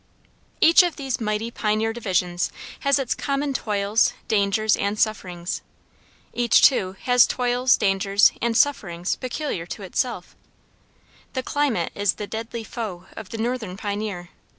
Each of these mighty pioneer divisions has its common toils, dangers, and sufferings. Each, too, has toils, dangers, and sufferings peculiar to itself. The climate is the deadly foe of the northern pioneer.